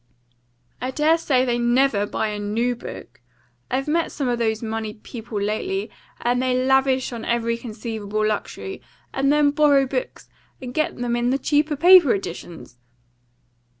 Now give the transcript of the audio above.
"I dare say they NEVER buy a NEW book. I've met some of these moneyed people lately, and they lavish on every conceivable luxury, and then borrow books, and get them in the cheap paper editions."